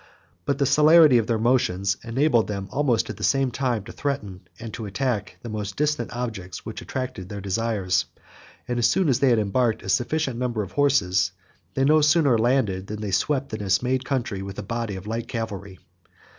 But the celerity of their motions enabled them, almost at the same time, to threaten and to attack the most distant objects, which attracted their desires; and as they always embarked a sufficient number of horses, they had no sooner landed, than they swept the dismayed country with a body of light cavalry.